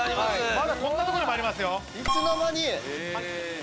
まだこんなとこもありますよ！